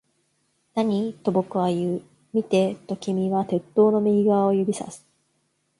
何？と僕は言う。見て、と君は鉄塔の右側を指差す